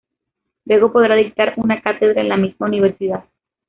Luego podrá dictar una cátedra en la misma universidad.